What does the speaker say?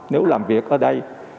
nếu làm việc ở đây